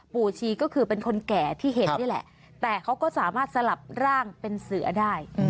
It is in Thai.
ชีก็คือเป็นคนแก่ที่เห็นนี่แหละแต่เขาก็สามารถสลับร่างเป็นเสือได้